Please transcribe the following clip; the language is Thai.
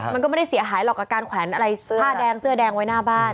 มันก็ไม่ได้เสียหายหรอกกับการแขวนอะไรเสื้อผ้าแดงเสื้อแดงไว้หน้าบ้าน